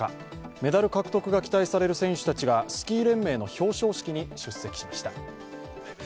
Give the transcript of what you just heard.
メダル獲得が期待される選手たちがスキー連盟の表彰式に出席しました。